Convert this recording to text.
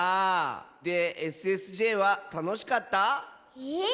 でＳＳＪはたのしかった？え？